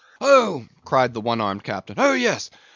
"Oh!" cried the one armed captain, "oh, yes!